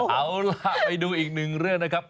เอาล่ะไปดูอีกหนึ่งเรื่องนะครับ